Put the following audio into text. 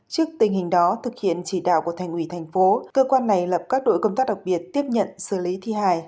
trước tình hình đó thực hiện chỉ đạo của thành ủy thành phố cơ quan này lập các đội công tác đặc biệt tiếp nhận xử lý thi hài